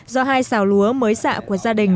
do hai xào lúa mới xạ của gia đình